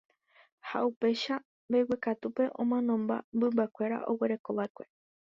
ha upéicha mbeguekatúpe omanomba mymbakuéra oguerekova'ekue.